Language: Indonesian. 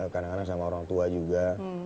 kanak kanak sama orang tua juga